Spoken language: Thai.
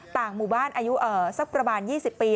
ต่างหมู่บ้านอายุสักประมาณ๒๐ปี